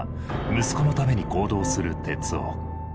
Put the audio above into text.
息子のために行動する徹生。